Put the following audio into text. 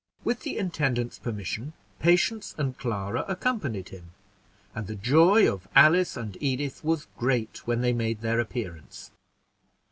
With the intendant's permission, Patience and Clara accompanied him; and the joy of Alice and Edith was great when they made their appearance.